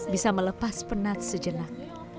bisa melepas penat sejenak